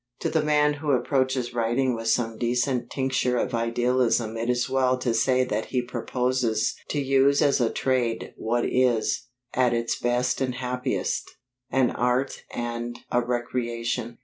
To the man who approaches writing with some decent tincture of idealism it is well to say that he proposes to use as a trade what is, at its best and happiest, an art and a recreation.